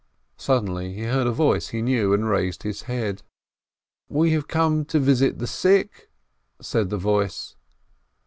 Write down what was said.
Suddenly he heard a voice he knew, and raised his head. EEB SHLOIMEH 349 "We have come to visit the sick," said the voice.